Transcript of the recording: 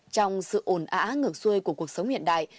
trong sự ổn ả ngược xuôi của cuộc sống hiện đại